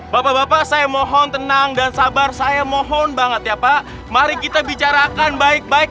bapak bapak saya mohon tenang dan sabar saya mohon banget ya pak mari kita bicarakan baik baik